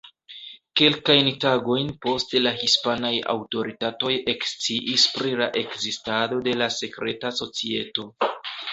Kelkajn tagojn poste la hispanaj aŭtoritatoj eksciis pri la ekzistado de la sekreta societo.